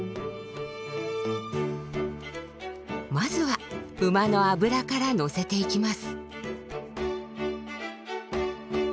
まずは馬の脂からのせていきます。